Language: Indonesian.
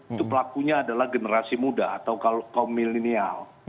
itu pelakunya adalah generasi muda atau kaum milenial